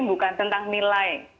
bukan tentang nilai